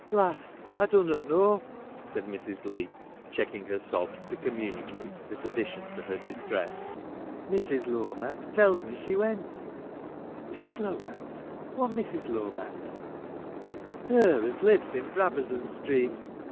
Lass ! I dunnot know,' said Mrs. Leigh, checking her sobs to communicate this addi tion to her distress. ' Mrs. Lomax telled me she went' ' Mrs. Lomax — what Mrs. Lomax 1 '' Her as lives in Brabazon street.